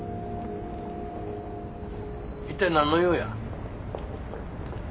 一体何の用や？